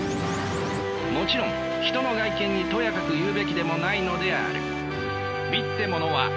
もちろん人の外見にとやかく言うべきでもないのである。